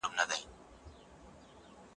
قرآني قصې مختلف ډولونه لري.